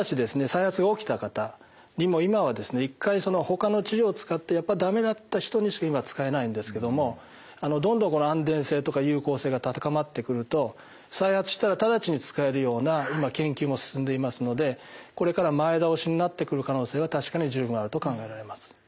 再発が起きた方にも今はですね１回ほかの治療を使ってやっぱり駄目だった人にしか今は使えないんですけどもどんどん安全性とか有効性が高まってくると再発したら直ちに使えるような研究も進んでいますのでこれから前倒しになってくる可能性は確かに十分あると考えられます。